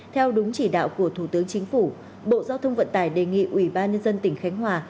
theo đúng chỉ đạo của thủ tướng chính phủ bộ giao thông vận tải đề nghị ủy ban nhân dân tỉnh khánh hòa